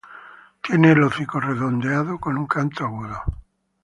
El hocico es redondeado con un canto agudo.